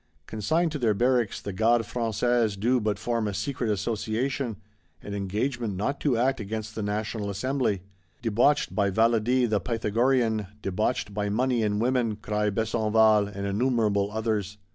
Consigned to their barracks, the Gardes Françaises do but form a "Secret Association," an Engagement not to act against the National Assembly. Debauched by Valadi the Pythagorean; debauched by money and women! cry Besenval and innumerable others.